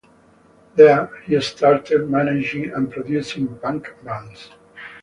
There, he started managing and producing punk bands.